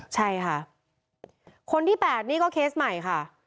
ใช่ค่ะคนที่๘นี่ก็เคสใหม่ค่ะ